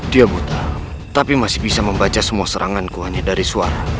dia buta tapi masih bisa membaca semua seranganku hanya dari suara